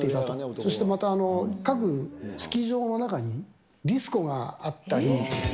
そしてまた、各スキー場の中にディスコがあったり。